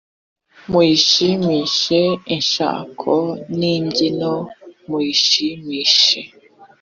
muyishimishe ishako n imbyino muyishimishe